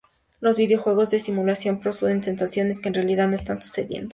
Los videojuegos de simulación reproducen sensaciones que en realidad no están sucediendo.